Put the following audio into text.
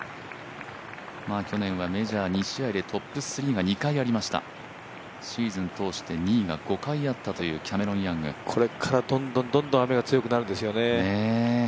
去年はメジャー２試合でトップ３が２回ありました、シーズン通して２位が５回あったというこれから、どんどんどんどん雨が強くなるんですよね。